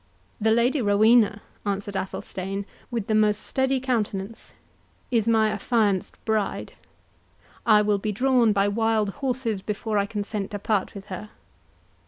"The Lady Rowena," answered Athelstane, with the most steady countenance, "is my affianced bride. I will be drawn by wild horses before I consent to part with her.